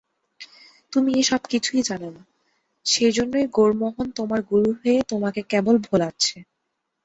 তুমি এ-সব কিছুই জান না, সেইজন্যেই গৌরমোহন তোমার গুরু হয়ে তোমাকে কেবল ভোলাচ্ছে।